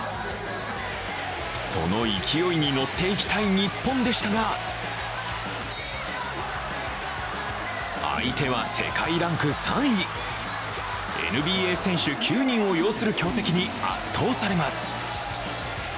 その勢いに乗っていきたい日本でしたが相手は世界ランク３位ＮＢＡ選手９人を擁する強敵に圧倒されます。